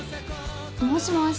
もしもし。